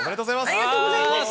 ありがとうございます。